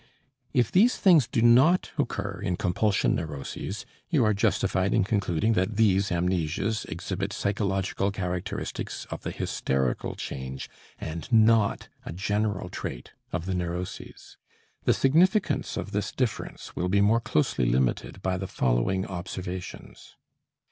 If these things do not occur in compulsion neuroses, you are justified in concluding that these amnesias exhibit psychological characteristics of the hysterical change, and not a general trait of the neuroses. The significance of this difference will be more closely limited by the following observations.